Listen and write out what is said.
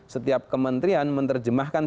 setiap kementerian menerjemahkan